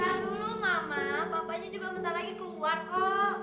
tahu lu mama papanya juga bentar lagi keluar kok